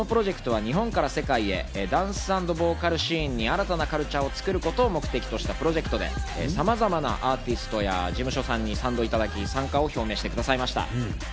このプロジェクトは日本から世界へ、ダンス＆ボーカルシーンに新たなカルチャーを作ることを目的としたプロジェクトで、様々なアーティストや事務所さんに賛同いただき参加を表明してくださいました。